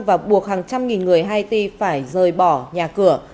và buộc hàng trăm nghìn người haiti phải rời bỏ nhà cửa